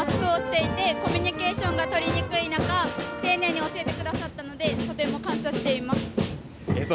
マスクをしていて、コミュニケーションが取りにくい中、丁寧に教えてくださったので、とても感謝しています。